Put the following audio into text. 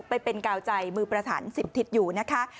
ไปเป็นกาวใจมือประถัน๑๐ทิศอยู่นะคะ